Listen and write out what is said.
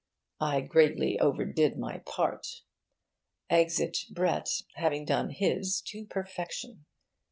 I greatly overdid my part. Exit Brett, having done his to perfection.